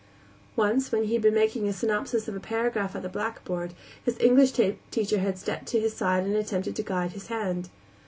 Once, when he had been making a synopsis of a paragraph at the blackboard, his English teacher had stepped to his side and attempted to guide his hand.